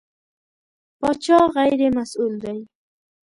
پاچا غېر مسوول دی.